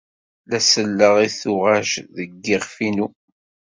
La selleɣ i tuɣac deg yiɣef-inu.